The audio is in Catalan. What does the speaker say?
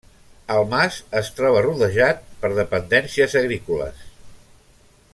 El mas es troba rodejat per dependències agrícoles.